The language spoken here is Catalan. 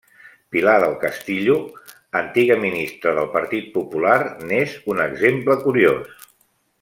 Pilar del Castillo, antiga ministra del Partit Popular, n'és un exemple curiós.